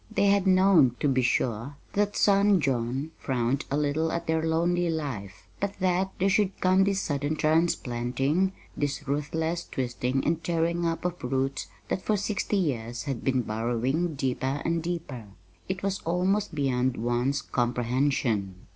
They had known, to be sure, that son John frowned a little at their lonely life; but that there should come this sudden transplanting, this ruthless twisting and tearing up of roots that for sixty years had been burrowing deeper and deeper it was almost beyond one's comprehension.